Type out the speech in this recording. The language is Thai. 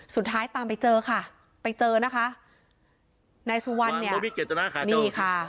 สุดท้ายตามไปเจอค่ะไปเจอนะคะนายสุวรรณเนี่ยค่ะ